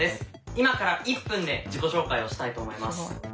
今から１分で自己紹介をしたいと思います。